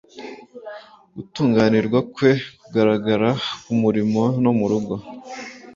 Gutunganirwa kwe kugaragara kumurimo no murugo